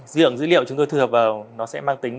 dưỡng dữ liệu chúng tôi thu hợp vào nó sẽ mang tính